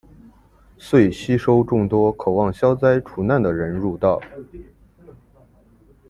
遂吸收众多渴望消灾除难的人入道。